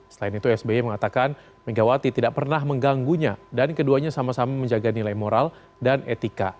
selain itu sby mengatakan megawati tidak pernah mengganggunya dan keduanya sama sama menjaga nilai moral dan etika